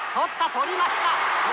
捕りました！